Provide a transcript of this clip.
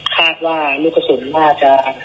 คาดว่าลูกสุนว่าจะไปโดนเด็กครับ